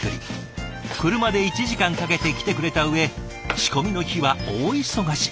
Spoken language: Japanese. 車で１時間かけて来てくれたうえ仕込みの日は大忙し。